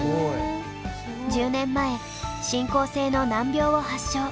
１０年前進行性の難病を発症。